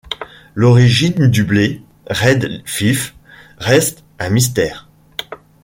L'origine du blé 'Red Fife' reste un mystère.